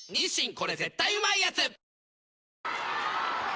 これ絶対うまいやつ」